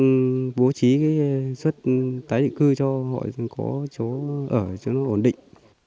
thì bố trí cái xuất tái định cư cho họ có chỗ ở cho nó ổn định